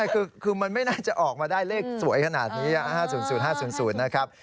ไม่ใช่คือมันไม่น่าจะออกมาได้เลขสวยขนาดนี้ห้าศูนย์ศูนย์ห้าศูนย์ศูนย์นะครับ